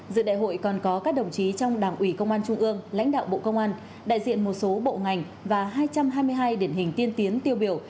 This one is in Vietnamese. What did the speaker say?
dự đại hội còn có các đồng chí trong đảng ủy công an trung ương lãnh đạo bộ công an đại diện một số bộ ngành và hai trăm hai mươi hai điển hình tiên tiến tiêu biểu